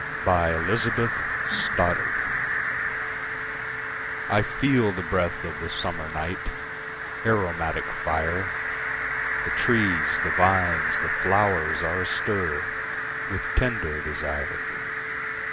By ElizabethStoddard 429 A Summer Night I FEEL the breath of the summer night, Aromatic fire:The trees, the vines, the flowers are astirWith tender desire.